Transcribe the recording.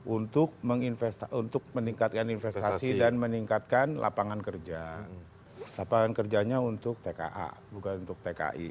untuk meningkatkan investasi dan meningkatkan lapangan kerja lapangan kerjanya untuk tka bukan untuk tki